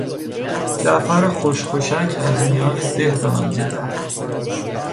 جعفر خوشخوشک از میان ده به منزل رفت.